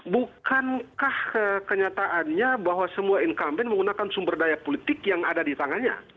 bukankah kenyataannya bahwa semua incumbent menggunakan sumber daya politik yang ada di tangannya